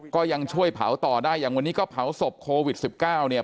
ก็ยังช่วยเผาต่อได้อย่างวันนี้ก็เผาศพโควิด๑๙เนี่ย